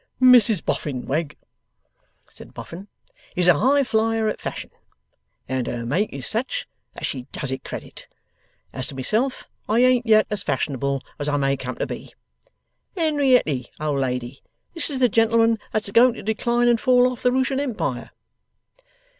'Mrs Boffin, Wegg,' said Boffin, 'is a highflyer at Fashion. And her make is such, that she does it credit. As to myself I ain't yet as Fash'nable as I may come to be. Henerietty, old lady, this is the gentleman that's a going to decline and fall off the Rooshan Empire.